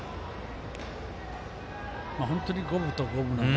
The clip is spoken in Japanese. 本当に五分と五分。